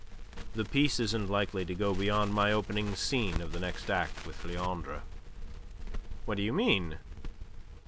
"The piece isn't likely to go beyond my opening scene of the next act with Leandre." "What do you mean?"